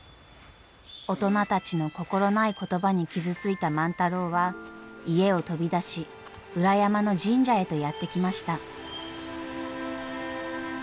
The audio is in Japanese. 大人たちの心ない言葉に傷ついた万太郎は家を飛び出し裏山の神社へとやって来ました。